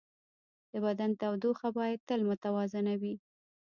د بدن تودوخه باید تل متوازنه وي.